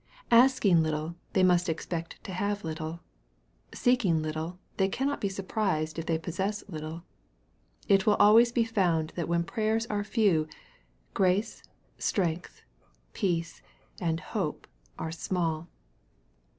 Asking little, they must expect to have little. Seeking little, they cannot be surprised if they possess little. It will always be found that when prayers are few, grace, strength, peace, and hope are small.